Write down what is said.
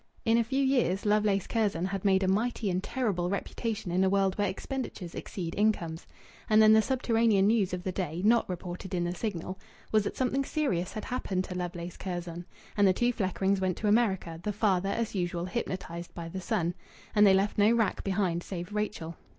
In a few years Lovelace Curzon had made a mighty and terrible reputation in the world where expenditures exceed incomes. And then the subterranean news of the day not reported in the Signal was that something serious had happened to Lovelace Curzon. And the two Fleckrings went to America, the father, as usual, hypnotized by the son. And they left no wrack behind save Rachel.